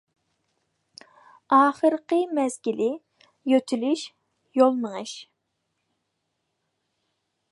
ئاخىرقى مەزگىلى : يۆتىلىش، يول مېڭىش.